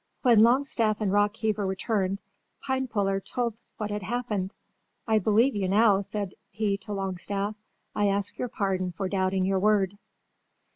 When Longstaff and Rockheaver returned Pinepuller told what had happened. "I believe you now," said he to Longstaff. "I ask your pardon for doubting your word."